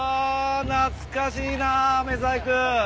懐かしいなあめ細工。